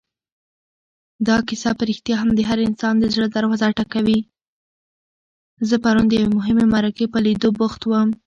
زه پرون د یوې مهمې مرکې په لیدو بوخت وم.